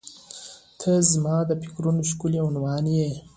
• ته زما د فکرونو ښکلی عنوان یې.